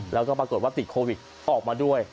แล้วก็ปรากฏว่าติดโควิดออกมาด้วย